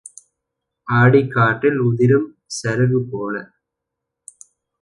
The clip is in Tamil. ஆடிக் காற்றில் உதிரும் சருகு போல.